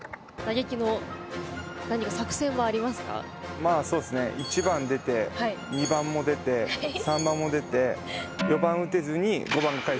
まあそうですね１番出て２番も出て３番も出て４番打てずに５番がかえす。